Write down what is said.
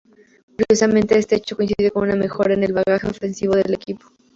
Curiosamente, este hecho coincide con una mejora en el bagaje defensivo del equipo.